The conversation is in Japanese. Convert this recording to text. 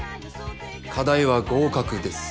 課題は合格です。